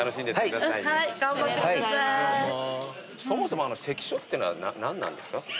そもそも関所ってのは何なんですか？